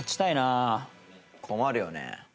困るよね。